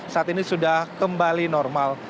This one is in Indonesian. saat ini sudah kembali normal